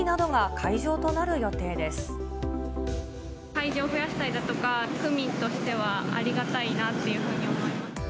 会場を増やしたりだとか、区民としてはありがたいなっていうふうに思います。